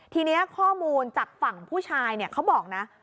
ทีนี้ข้อมูลจากฝั่งผู้ชายเขาบอกนะ